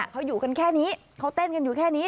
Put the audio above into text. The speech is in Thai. เขาอยู่กันแค่นี้เขาเต้นกันอยู่แค่นี้